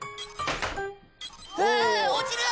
「あぁ落ちる！」